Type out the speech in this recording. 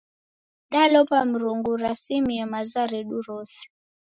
Dalomba Mlungu urasimie maza redu rose.